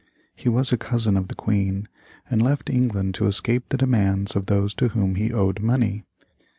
He was a cousin of the Queen, and left England to escape the demands of those to whom he owed money.